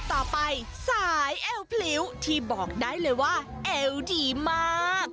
ต่อไปสายเอวพลิ้วที่บอกได้เลยว่าเอวดีมาก